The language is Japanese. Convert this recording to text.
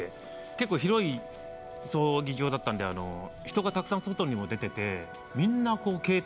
結構広い葬儀場だったんで人がたくさん外にも出てて。